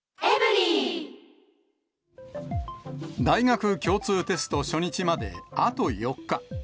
大学共通テスト初日まであと４日。